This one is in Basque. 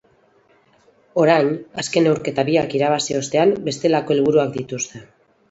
Orain, azken neurketa biak irabazi ostean, bestelako helburuak dituzte.